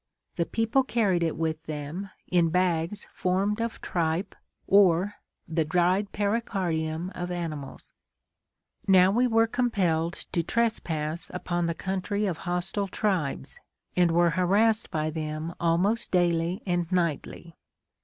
The people carried it with them in bags formed of tripe or the dried pericardium of animals. Now we were compelled to trespass upon the country of hostile tribes and were harassed by them almost daily and nightly.